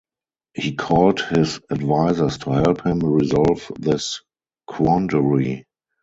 He called his advisers to help him resolve this quandary.